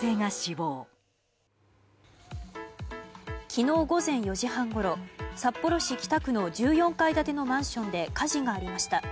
昨日午前４時半ごろ札幌市北区の１４階建てのマンションで火事がありました。